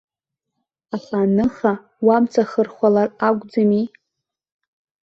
Аха аныха уамҵахырхәалар акәӡами?